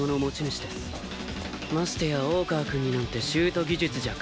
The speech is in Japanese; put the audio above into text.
ましてや大川くんになんてシュート技術じゃ勝てっこない。